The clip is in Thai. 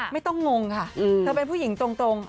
ไม่ต้องงงค่ะเธอเป็นผู้หญิงตรง